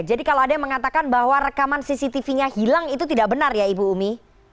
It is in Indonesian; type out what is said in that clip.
jadi kalau ada yang mengatakan bahwa rekaman cctv nya hilang itu tidak benar ya ibu umi